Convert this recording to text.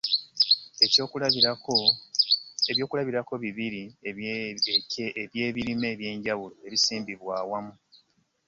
Eby’okulabirako bibiri eby’ebirime eby’enjawulo ebisimbiddwa awamu.